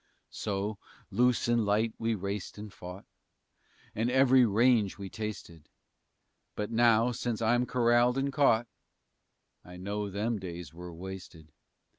So, loose and light we raced and fought And every range we tasted, But now, since I'm corralled and caught, I know them days were wasted.